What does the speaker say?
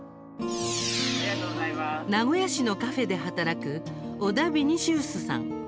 名古屋市のカフェで働く小田ビニシウスさん。